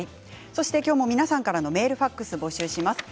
皆さんからのメール、ファックスを募集します。